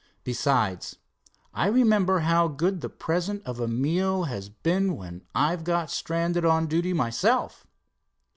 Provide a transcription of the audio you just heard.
"Besides, I remember how good the present of a meal has been when I've got stranded on duty myself."